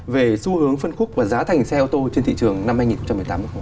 về xu hướng phân khúc và giá thành xe ô tô trên thị trường năm hai nghìn một mươi tám